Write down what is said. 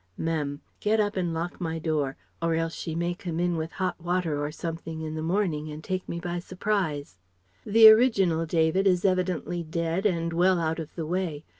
Mem. get up and lock my door, or else she may come in with hot water or something in the morning and take me by surprise. "The original David is evidently dead and well out of the way.